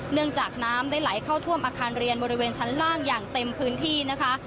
เนื่องจากน้ำได้ไหลเข้าท่วมอาคารเรียนบริเวณชั้นล่างอย่างเต็มพื้นที่นะคะ